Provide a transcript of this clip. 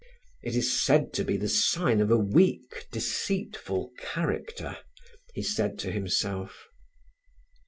"It is said to be the sign of a weak, deceitful character," he said to himself.